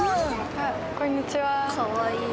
あこんにちは。